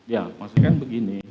ya maksudnya begini